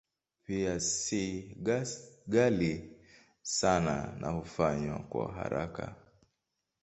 Pia si ghali sana na hufanywa kwa haraka.